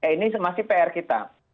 ini masih pr kita